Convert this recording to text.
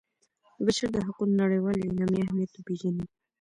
د بشر د حقونو نړیوالې اعلامیې اهمیت وپيژني.